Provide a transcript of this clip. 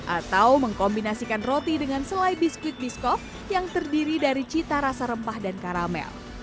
atau mengkombinasikan roti dengan selai biskuit biscov yang terdiri dari cita rasa rempah dan karamel